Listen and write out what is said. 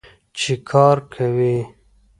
چې کار کوي.